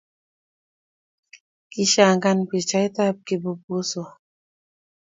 Kishangasan pichaitab kibubuswa